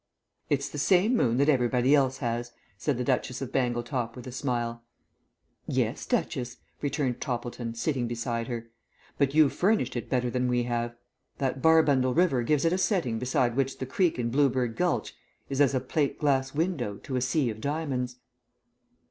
"It's the same moon that everybody else has," said the Duchess of Bangletop with a smile. "Yes, Duchess," returned Toppleton, sitting beside her. "But you've furnished it better than we have. That Barbundle River gives it a setting beside which the creek in Blue bird Gulch is as a plate glass window to a sea of diamonds."